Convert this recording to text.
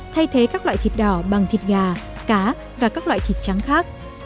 thay thế các loại thịt đỏ bằng thịt gà cá và các loại thịt trắng khác